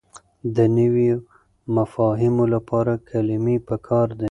د نويو مفاهيمو لپاره کلمې پکار دي.